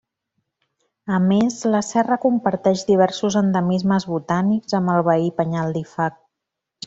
A més, la serra comparteix diversos endemismes botànics amb el veí penyal d'Ifac.